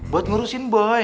buat ngurusin boy